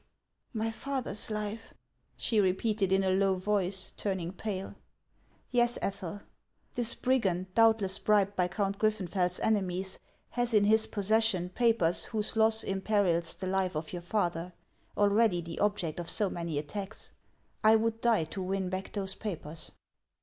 " My father's life ?" she repeated in a low voice, turning pale. " Yes, Ethel. This brigand, doubtless bribed by Count Griffeufeld's enemies, has in his possession papers whose loss imperils the life of your father, already the object of so many attacks. I would die to win back those papers."